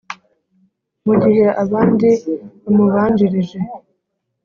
Mu gihe abandi bamubanjirije